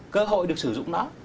cơ hội được sử dụng nó